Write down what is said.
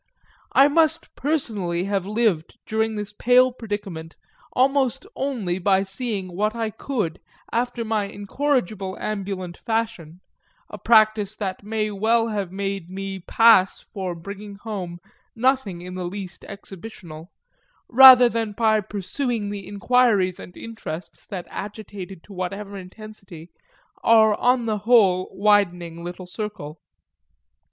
I must personally have lived during this pale predicament almost only by seeing what I could, after my incorrigible ambulant fashion a practice that may well have made me pass for bringing home nothing in the least exhibitional rather than by pursuing the inquiries and interests that agitated, to whatever intensity, our on the whole widening little circle.